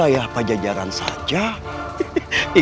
siapa siapakan argue